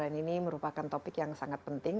dan ini merupakan topik yang sangat penting